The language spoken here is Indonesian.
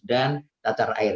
dan tata air